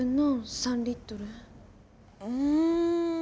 うん。